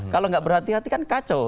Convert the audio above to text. kalau nggak berhati hati kan kacau